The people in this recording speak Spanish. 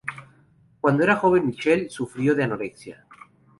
Cuando era joven Michelle sufrió de anorexia.